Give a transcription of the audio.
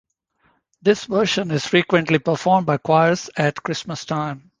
This version is frequently performed by choirs at Christmas time.